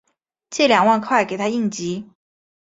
借两万块给她应急